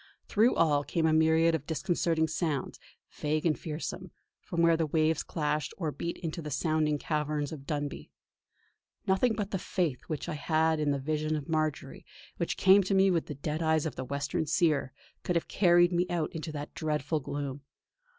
Through all came a myriad of disconcerting sounds, vague and fearsome, from where the waves clashed or beat into the sounding caverns of Dunbuy. Nothing but the faith which I had in the vision of Marjory, which came to me with the dead eyes of the western Seer, could have carried me out into that dreadful gloom.